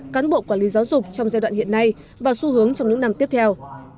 cán bộ quản lý giáo dục trong giai đoạn hiện nay và xu hướng trong những năm tiếp theo